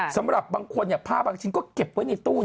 สำหรับบางคนผ้าบางชิ้นก็เก็บไว้ในตู้